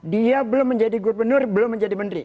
dia belum menjadi gubernur belum menjadi menteri